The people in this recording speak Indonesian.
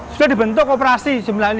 sudah dibentuk kooperasi sembilan puluh lima